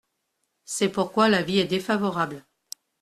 C’est pourquoi l’avis est défavorable.